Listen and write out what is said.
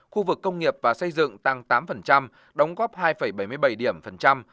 khu vực công nghiệp và xây dựng tăng tám đóng góp hai bảy mươi bảy điểm